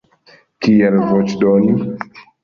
Kiel voĉdoni?